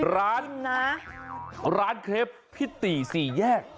ร้านร้านเคล็บพิติสี่แยก